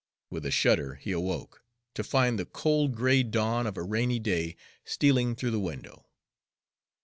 With a shudder he awoke, to find the cold gray dawn of a rainy day stealing through the window.